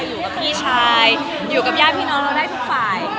อยู่กับพี่ชายอยู่กับญาติพี่น้องเราได้ทุกฝ่าย